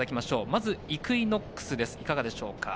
まずイクイノックスいかがでしょうか？